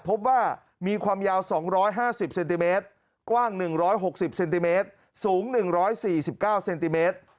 พบว่ามีความยาว๒๕๐เซนติเมตรกว้าง๑๖๐เซนติเมตรสูง๑๔๙เซนติเมตร